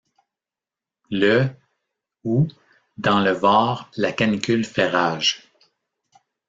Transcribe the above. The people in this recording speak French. Le août, dans le Var la canicule fait rage.